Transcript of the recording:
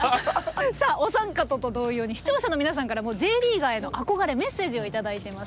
さあお三方と同様に視聴者の皆さんからもＪリーガーへの憧れメッセージを頂いてます。